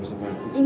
kayak gini dulu